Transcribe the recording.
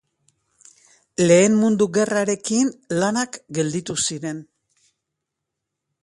Lehen Mundu Gerrarekin lanak gelditu ziren.